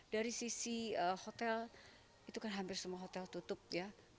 dari sisi hotel itu kan hampir semua hotel tutup ya